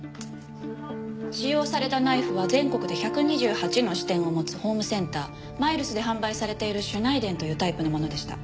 使用されたナイフは全国で１２８の支店を持つホームセンターマイルスで販売されているシュナイデンというタイプのものでした。